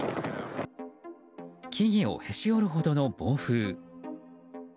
木々をへし折るほどの暴風。